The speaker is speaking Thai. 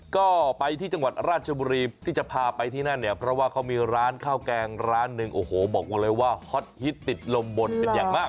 ก็ไปที่จังหวัดราชบุรีที่จะพาไปที่นั่นเนี่ยเพราะว่าเขามีร้านข้าวแกงร้านหนึ่งโอ้โหบอกหมดเลยว่าฮอตฮิตติดลมบนเป็นอย่างมาก